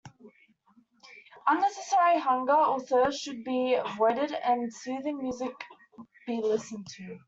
Unnecessary hunger or thirst should be avoided and soothing music be listened to.